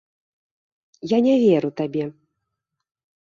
Я не веру табе!